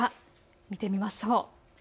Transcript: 見てみましょう。